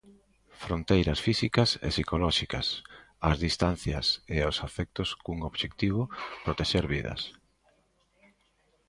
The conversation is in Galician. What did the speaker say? Fronteiras físicas e psicolóxicas, ás distancias e aos afectos, cun obxectivo, protexer vidas.